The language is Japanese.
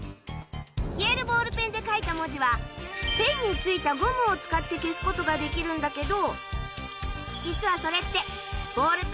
消えるボールペンで書いた文字はペンに付いたゴムを使って消すことができるんだけど。